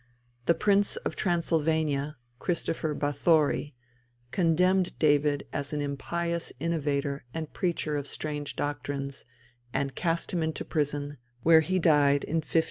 The Prince of Transylvania, Christopher Bathori, condemned David as an impious innovator and preacher of strange doctrines, and cast him into prison, where he died in 1579.